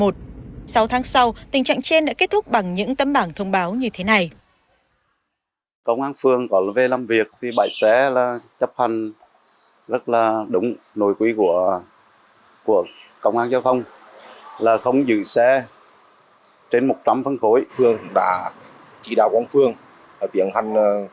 sáu tháng sau tình trạng trên đã kết thúc bằng những tấm bảng thông báo như thế này